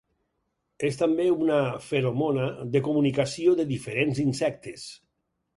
És també una feromona de comunicació de diferents insectes.